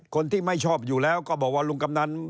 คนที่ไม่ชอบอยู่แล้วก็บอกว่าลุงกำนัน